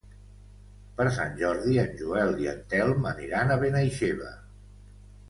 Per Sant Jordi en Joel i en Telm aniran a Benaixeve.